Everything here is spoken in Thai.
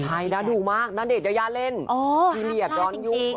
ใช่นะดูมากณเดชน์อย่าเล่นทีเหลียดย้อนยุ่ง